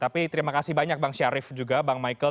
tapi terima kasih banyak bang syarif juga bang michael